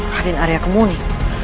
radin arya kemuni